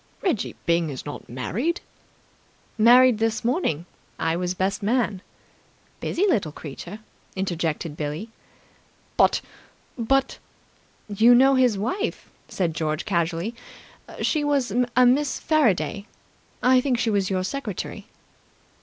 "Reggie Byng is not married!" "Married this morning. I was best man." "Busy little creature!" interjected Billie. "But but !" "You know his wife," said George casually. "She was a Miss Faraday. I think she was your secretary."